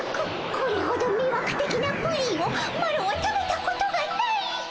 これほどみわくてきなプリンをマロは食べたことがない！